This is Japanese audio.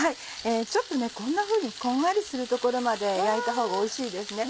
ちょっとねこんなふうにこんがりするところまで焼いたほうがおいしいですね。